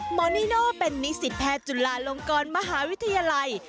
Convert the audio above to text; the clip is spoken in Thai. นิโน่เป็นนิสิตแพทย์จุฬาลงกรมหาวิทยาลัย